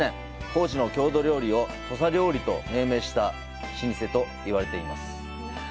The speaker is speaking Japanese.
高知の郷土料理を「土佐料理」と命名した老舗と言われています。